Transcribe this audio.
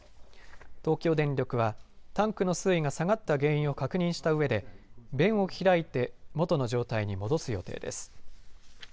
東京電力はタンクの水位が下がった原因を確認したうえで弁を開いて元の状態に戻す予定です。